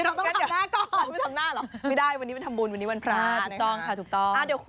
เราต้องทำหน้าก่อนไม่ได้วันนี้ทำบุญวันนี้วันพระนะคะถูกต้องค่ะถูกต้อง